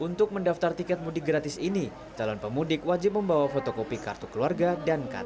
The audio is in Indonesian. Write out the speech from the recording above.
untuk mendaftar tiket mudik gratis ini calon pemudik wajib membawa fotokopi kartu keluarga dan ktp